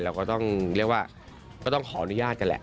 เราก็ต้องเรียกว่าก็ต้องขออนุญาตกันแหละ